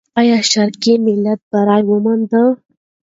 آیا شرقي ملت بری وموند؟